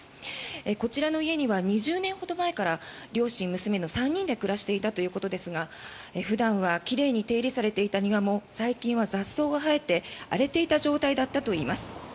こちらの家には２０年ほど前から両親、娘の３人で暮らしていたということですが普段は奇麗に手入れされていた庭も最近は雑草が生えて荒れていた状態だったといいます。